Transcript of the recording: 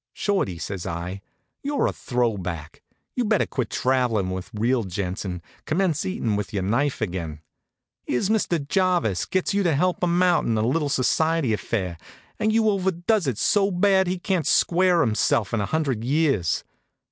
"Shorty," says I, "you're a throw back. You better quit travelin' with real gents, and commence eatin' with your knife again. Here's Mr. Jarvis gets you to help him out in a little society affair, and you overdoes it so bad he can't square himself in a hundred years.